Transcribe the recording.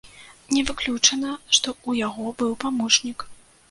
Не выключана, што ў яго быў памочнік.